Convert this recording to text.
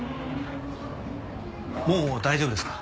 もう大丈夫ですか？